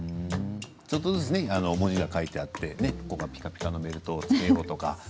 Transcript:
ちょっとずつ文字が書いてあってピカピカのベルトをつけようとか。